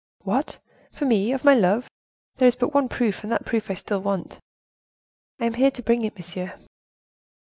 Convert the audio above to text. "What! for me, of my love! there is but one proof, and that proof I still want." "I am here to bring it, monsieur."